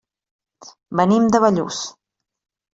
Venim de Bellús.